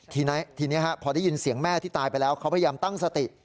ทีนี้พอได้ยินเสียงแม่ที่ตายไปแล้วเขาพยายามตั้งสติ